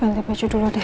ganti baju dulu deh